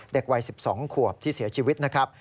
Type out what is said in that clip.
เด็กวัย๑๒ขวบที่เสียชีวิตนะครับ